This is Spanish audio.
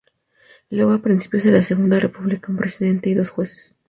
Luego a principios de la Segunda República, un Presidente y dos Jueces.